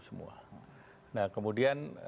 semua nah kemudian